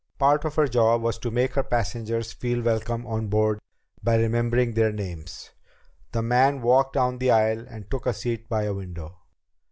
Part of her job was to make her passengers feel welcome on board by remembering their names. The man walked down the aisle and took a seat by a window.